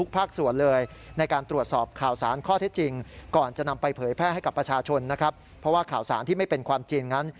เพื่อให้ปฎิบัติตามมาตรการควบคุมการแพร่ระบาด